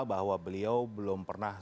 bahwa beliau belum pernah